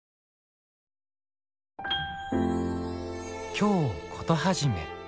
「京コトはじめ」。